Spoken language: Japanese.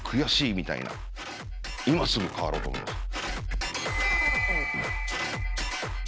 今すぐ変わろうと思いました。